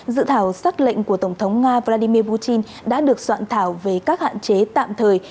dự thảo xác lệnh của tổng thống nga vladimir putin đã được soạn thảo về các hạn chế tạm thời